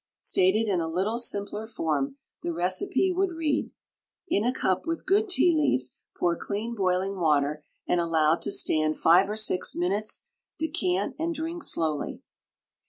Stated in a little simpler form the recipe would read: In a cup with good tea leaves pour clean boiling water and allow to stand five or six minutes; decant and drink slowly.